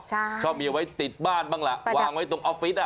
ชอบเมียไว้ติดบ้านบ้างละวางไว้ตรงออฟฟิศอะ